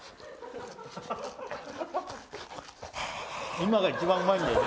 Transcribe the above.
今が一番うまいんだよね